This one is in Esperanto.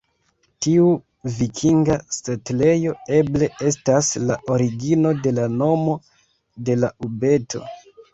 Tiu vikinga setlejo eble estas la origino de la nomo de la ubeto.